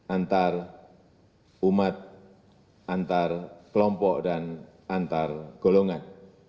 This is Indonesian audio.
antara umat antara kelompok dan antar golongan